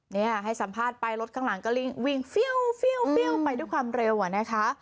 เนี่ยให้สัมภาษณ์ไปรถข้างหลังก็วิ่งเฟี้ยวไปด้วยความเร็วอะนะคะ